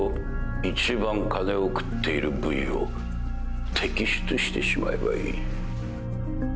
一番金を食っている部位を摘出してしまえばいい。